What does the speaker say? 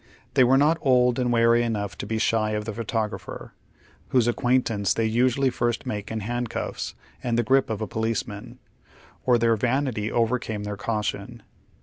They were not old and wary enough to be shy of the photographer, whose acquaintance they usually first make in liandcuiTs and the grip of a policeman ; oi' theii' vanity overcame their caution.